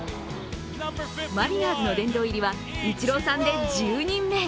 マリナーズの殿堂入りはイチローさんで１０人目。